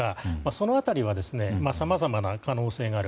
その辺りはさまざまな可能性がある。